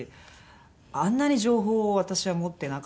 あんなに情報を私は持ってなかったですし。